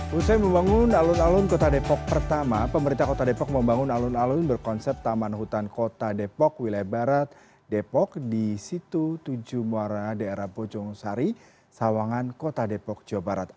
pusat membangun alun alun kota depok pertama pemerintah kota depok membangun alun alun berkonsep taman hutan kota depok wilayah barat depok di situ tujuh muara daerah bojong sari sawangan kota depok jawa barat